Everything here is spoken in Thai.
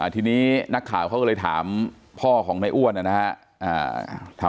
ทีนี้นักข่าวเขาก็เลยถามพ่อของในอ้วนนะครับ